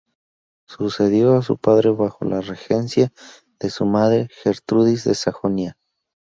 Sucedió a su padre bajo la regencia de su madre, Gertrudis de Sajonia.